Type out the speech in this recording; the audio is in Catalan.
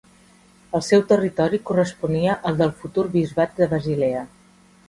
El seu territori corresponia al del futur bisbat de Basilea.